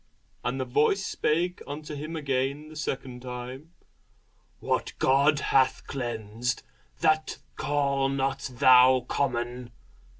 And the voice spake unto him again the second time, What God hath cleansed, that call not thou common.